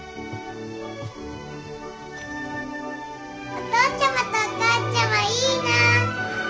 お父ちゃまとお母ちゃまいいな！